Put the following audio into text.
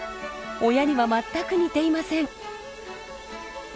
親には全く似ていません。